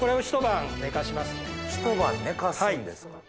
一晩寝かすんですか。